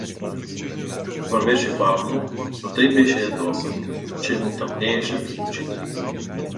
Вървеше бавно, но тъй беше ядосан, че му тъмнееше пред очите.